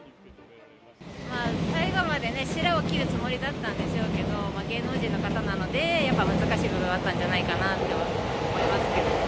まあ、最後までしらを切るつもりだったんでしょうけど、芸能人の方なので、やっぱ難しい部分はあったんじゃないかなとは思いますけども。